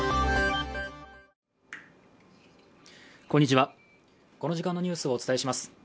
こんにちは、この時間のニュースをお伝えします。